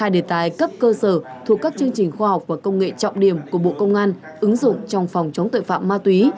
một mươi đề tài cấp cơ sở thuộc các chương trình khoa học và công nghệ trọng điểm của bộ công an ứng dụng trong phòng chống tội phạm ma túy